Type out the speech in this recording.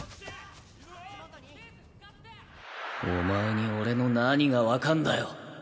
お前に俺の何がわかんだよ！